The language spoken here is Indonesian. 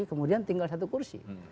kemudian tinggal satu kursi